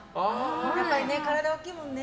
やっぱり体大きいもんね。